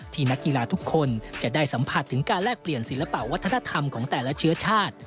นักกีฬาทุกคนจะได้สัมผัสถึงการแลกเปลี่ยนศิลปะวัฒนธรรมของแต่ละเชื้อชาติ